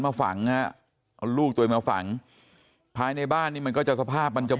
มาฝังฮะเอาลูกตัวเองมาฝังภายในบ้านนี่มันก็จะสภาพมันจะ